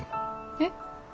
えっ？